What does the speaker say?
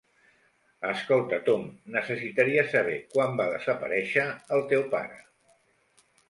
Escolta Tom, necessitaria saber quan va desaparèixer el teu pare?